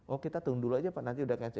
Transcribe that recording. oh kita tunggu dulu aja nanti udah cancer